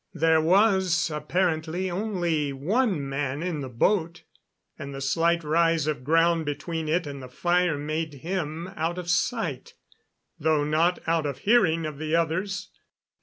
There was apparently only one man in the boat, and the slight rise of ground between it and the fire made him out of sight, though not out of hearing, of the others.